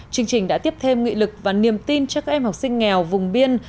chương trình đã tiếp thêm nghị lực và niềm tin cho các em học sinh nghèo vùng biên